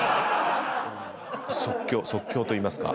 即興即興といいますか。